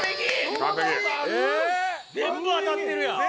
全部当たってるやん。